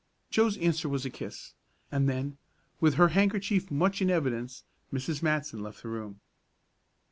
Joe's answer was a kiss, and then, with her handkerchief much in evidence, Mrs. Matson left the room.